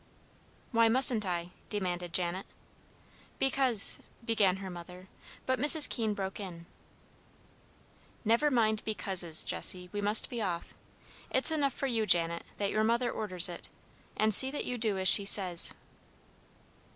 "Why mustn't I?" demanded Janet. "Because " began her mother, but Mr. Keene broke in. "Never mind 'becauses,' Jessie; we must be off. It's enough for you, Janet, that your mother orders it. And see that you do as she says."